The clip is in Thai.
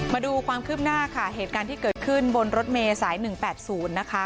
มาดูความคืบหน้าค่ะเหตุการณ์ที่เกิดขึ้นบนรถเมย์สาย๑๘๐นะคะ